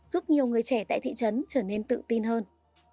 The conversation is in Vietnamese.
giúp nhiều người trẻ tại thị trấn trở nên tự tin hơn